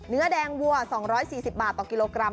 เนื้อแดงวัว๒๔๐บาทต่อกิโลกรัม